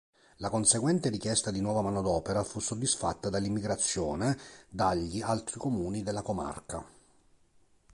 La conseguente richiesta di nuova manodopera fu soddisfatta dall'immigrazione dagli altri comuni della comarca.